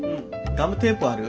ガムテープある？